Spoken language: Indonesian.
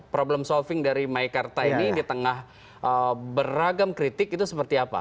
problem solving dari meikarta ini di tengah beragam kritik itu seperti apa